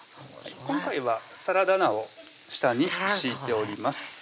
今回はサラダ菜を下に敷いております